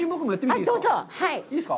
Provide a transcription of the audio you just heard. いいですか？